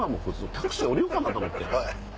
タクシー降りようかなと思って。